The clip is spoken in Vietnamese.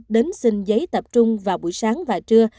đến xin giấy tập trung vào buổi sáng và trưa